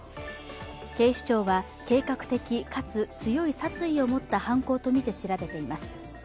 警視庁は計画的かつ強い殺意を持った犯行とみて調べています。